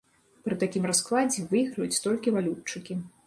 Пры такім раскладзе выйграюць толькі валютчыкі.